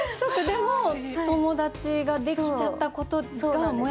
でも友達ができちゃったことがモヤモヤする。